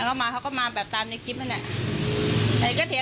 เพราะว่าพี่ชายตัวใหญ่คนลงมาอยู่อย่างเนี่ย